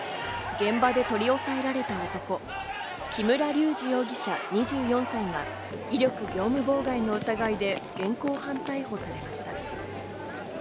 現場で取り押さえられた男、木村隆二容疑者２４歳は威力業務妨害の疑いで現行犯逮捕されました。